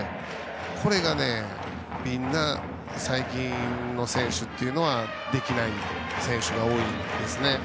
これがみんな最近の選手はできない選手が多いんですね。